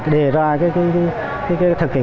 đề ra cái thực hiện